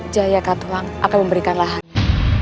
jaya katuang akan memberikan lahannya